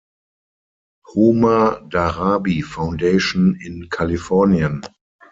Homa Darabi Foundation“ in Kalifornien.